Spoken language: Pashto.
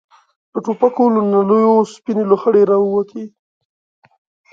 د ټوپکو له نليو سپينې لوخړې را ووتې.